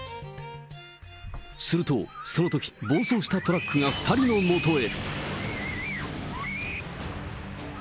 するとそのとき、暴走したトラックが２人のもとへ。